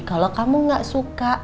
kalo kamu gak suka